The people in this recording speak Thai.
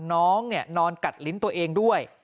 น้องนอนกัดลิ้นตัวเองด้วย